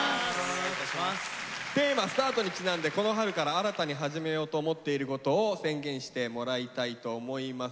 テーマ「ＳＴＡＲＴ」にちなんでこの春から新たに始めようと思っていることを宣言してもらいたいと思います。